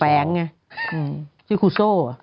แต๊งเนี่ยชื่อครูซอ